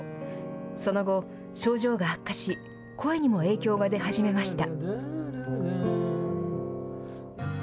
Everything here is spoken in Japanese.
その後、症状が悪化し声にも影響が出始めました。